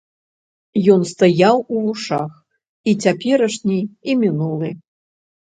Ён стаяў у вушах, і цяперашні і мінулы.